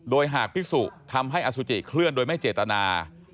โดยหากพิสุทำให้อสุจิเคลื่อนโดยไม่เจตนา